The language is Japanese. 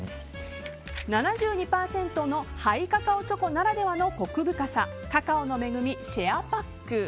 ７２％のハイカカオチョコならではのコク深さカカオの恵みシェアパック。